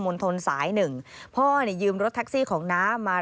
มันเกิดเหตุเป็นเหตุที่บ้านกลัว